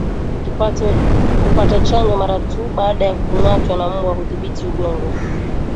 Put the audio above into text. Kupata chanjo mara tu baada ya kungatwa na mbwa hudhibiti ugonjwa